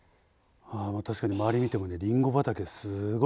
確かに周り見てもねリンゴ畑すごい。